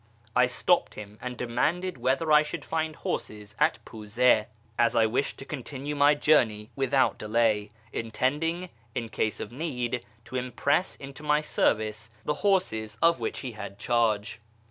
I stopped liim, and demanded whether I should find horses at Puze, as I wished to continue my journey without delay ; intending, in case of need, to impress into my service the horses of which he had charge.